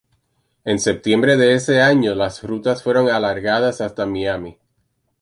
En septiembre de ese año las rutas fueron alargadas hasta Miami.